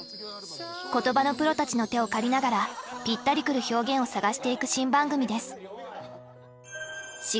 言葉のプロたちの手を借りながらぴったりくる表現を探していく新番組です